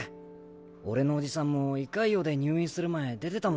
俺のおじさんも胃潰瘍で入院する前出てたもん。